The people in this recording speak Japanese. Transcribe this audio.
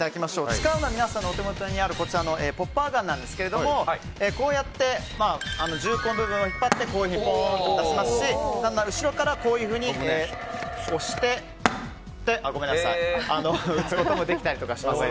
使うのは皆さんのお手元にあるポッパーガンなんですがこうやって銃口部分を引っ張ってポーンと出せますし後ろから押して撃つこともできます。